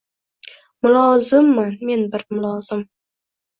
Mulozimman, men bir mulozim